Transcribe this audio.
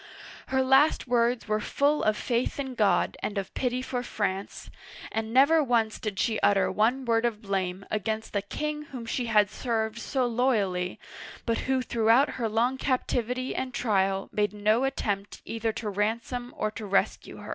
Her last words were full of faith in God and of pity for France, and never once did she utter one word of blame against the king whom she had served so loyally, but who throughout her long captivity and trial made no attempt either to ransom or to rescue her.